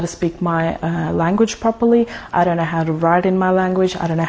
semua yang saya lakukan